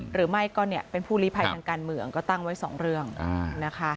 หรือไม่ก็เนี่ยเป็นผู้ลิภัยทางการเมืองก็ตั้งไว้สองเรื่องนะคะ